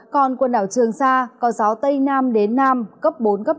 còn quần đảo trường sa có gió tây nam đến nam cấp bốn cấp năm